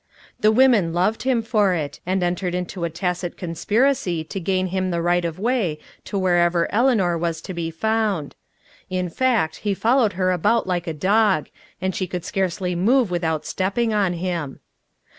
The women loved him for it, and entered into a tacit conspiracy to gain him the right of way to wherever Eleanor was to be found. In fact, he followed her about like a dog, and she could scarcely move without stepping on him.